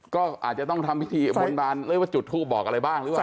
ก็อาจจะต้องทำพิธีบนบานหรือว่าจุดทูปบอกอะไรบ้างหรือเปล่า